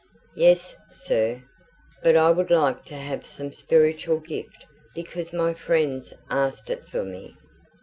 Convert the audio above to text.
"Yes, sir; but I would like to have some spiritual gift because my friends asked it for me.